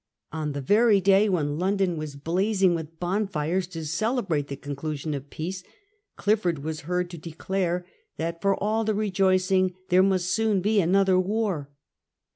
On the very day when London was blazing with bonfires to celebrate the conclusion of peace, Clifford was heard to declare that for all the rejoicing there must soon be another war.